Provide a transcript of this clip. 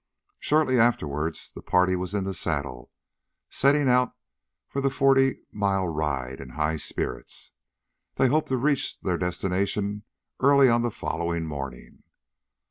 Shortly afterwards the party was in the saddle, setting out for their forty mile ride in high spirits. They hoped to reach their destination early on the following morning.